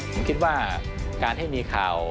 ผมคิดว่าการให้มีข่าว